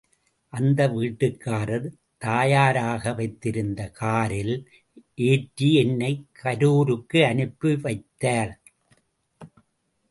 அந்த வீட்டுக்காரர் தாயாராக வைத்திருந்த காரில் ஏற்றி என்னை கரூருக்கு அனுப்பி வைத்தார்.